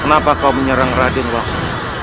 kenapa kau menyerang raden waktu